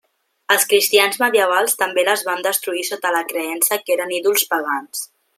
Els cristians medievals també les van destruir sota la creença que eren ídols pagans.